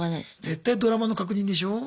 絶対ドラマの確認でしょう？